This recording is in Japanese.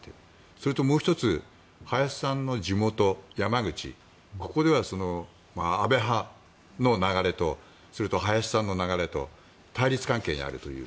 それと、もう１つ林さんの地元・山口ここでは安倍派の流れとそれと林さんの流れと対立関係にあるという。